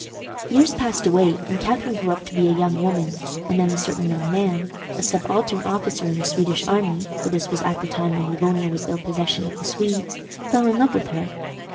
Years passed away, and Catharine grew up to be a young woman, and then a certain young man, a subaltern officer in the Swedish army for this was at the time when Livonia was ill possession of the Swedes fell in love with her.